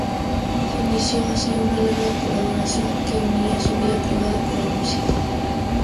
Se inició así una larga colaboración, que unía su vida privada con la musical.